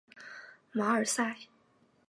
马尔萨。